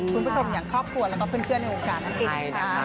คุณผสมอย่างครอบครัวและเพื่อนในวงการนักกินค่ะ